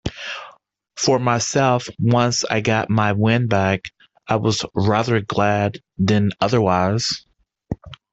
For myself, once I got my wind back, I was rather glad than otherwise.